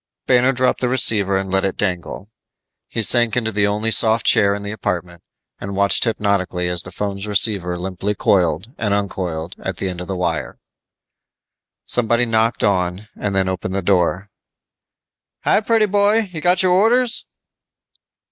Banner dropped the receiver and let it dangle. He sank into the only soft chair in the apartment and watched hypnotically as the phone's receiver limply coiled and uncoiled at the end of the wire. Somebody knocked on, then opened the door. "Hi, pretty boy, you got our orders?"